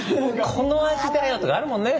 この味だよとかあるもんね。